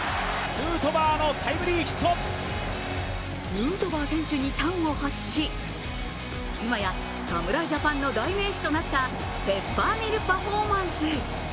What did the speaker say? ヌートバー選手に端を発し今や侍ジャパンの代名詞となったペッパーミルパフォーマンス。